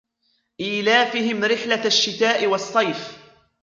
إيلافهم رحلة الشتاء والصيف